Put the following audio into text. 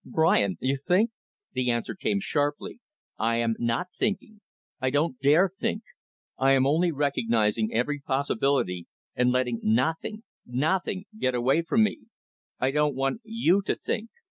"Brian! You think " The answer came sharply, "I am not thinking. I don't dare think. I am only recognizing every possibility and letting nothing, nothing, get away from me. I don't want you to think.